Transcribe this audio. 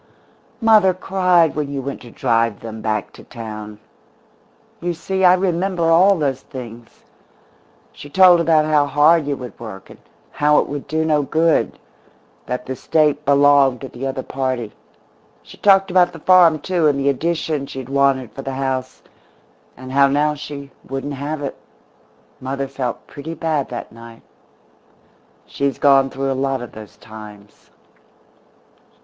"Mother cried when you went to drive them back to town. You see, I remember all those things. She told about how hard you would work, and how it would do no good that the State belonged to the other party. She talked about the farm, too, and the addition she had wanted for the house, and how now she wouldn't have it. Mother felt pretty bad that night. She's gone through a lot of those times."